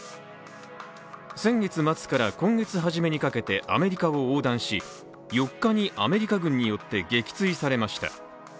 先月末から今月初めにかけてアメリカを横断し４日にアメリカ軍によって撃墜されました。